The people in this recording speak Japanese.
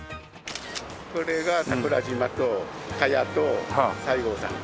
これが桜島とカヤと西郷さん。